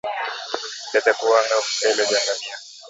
Tetekuwanga au Vipele vya ngamia